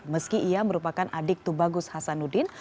meski ia merupakan adik tubagus hasanuddin